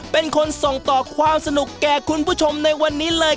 เป็นคนส่งต่อความสนุกแก่คุณผู้ชมในวันนี้เลย